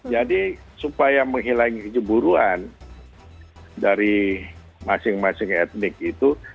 jadi supaya menghilangkan keceburuan dari masing masing etnik itu